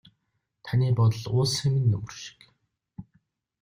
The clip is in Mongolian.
Таны бодол уулсын минь нөмөр шиг.